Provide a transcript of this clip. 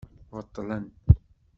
Beṭlen.